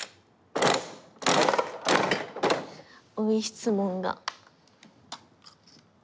追い質問が。